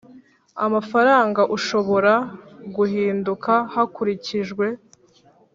Amafaranga ushobora guhinduka hakurikijwe